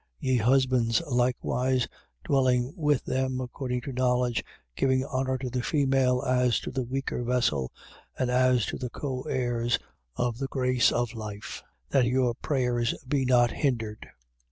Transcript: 3:7. Ye husbands, likewise dwelling with them according to knowledge, giving honour to the female as to the weaker vessel and as to the co heirs of the grace of life: that your prayers be not hindered.